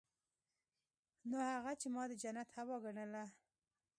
نو هغه چې ما د جنت هوا ګڼله.